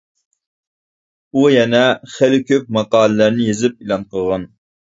ئۇ يەنە خېلى كۆپ ماقالىلەرنى يېزىپ ئېلان قىلغان.